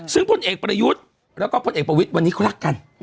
ซึ่งพลเอกประยุทธ์แล้วก็พลเอกประวิทย์วันนี้เขารักกัน